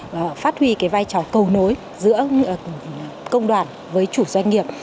và phát huy cái vai trò cầu nối giữa công đoàn với chủ doanh nghiệp